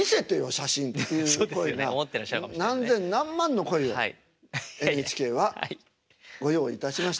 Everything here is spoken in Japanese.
写真っていう声が何千何万の声をＮＨＫはご用意いたしました。